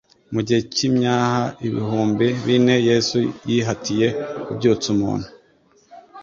Mu gihe cy'imyaha ibihumbi bine, Yesu yihatiye kubyutsa umuntu,